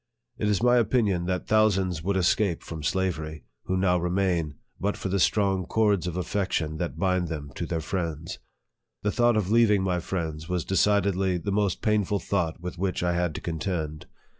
It is my opinion that thousands would escape from slavery, who now remain, but for the strong cords of affection that bind them to thejr friends. The thought of leaving my friends was decidedly the most painful thought with which I had to contend.